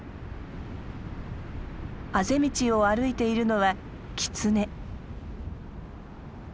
あぜ道を歩いているのはキツネ。